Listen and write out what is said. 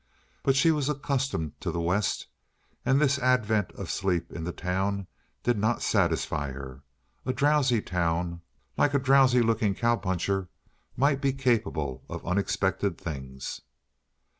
But she was accustomed to the West, and this advent of sleep in the town did not satisfy her. A drowsy town, like a drowsy looking cow puncher, might be capable of unexpected things.